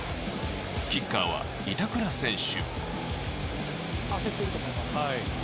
キッカーは板倉選手。